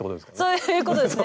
そういうことですね。